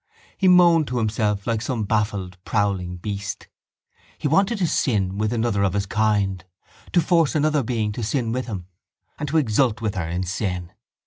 He moaned to himself like some baffled prowling beast. He wanted to sin with another of his kind, to force another being to sin with him and to exult with her in sin.